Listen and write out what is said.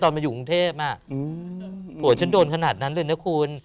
ตอนมาอยู่กรุงเทพฯอ่ะโหฉันโดนขนาดนั้นเลยนะคุณ